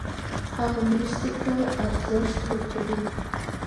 هغه مرستې ته ارزښت ورکوي.